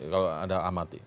kalau ada amati